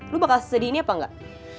lo bakal sedih ini apa enggak